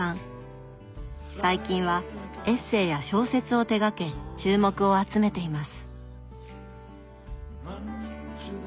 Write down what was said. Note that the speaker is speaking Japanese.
最近はエッセーや小説を手がけ注目を集めています。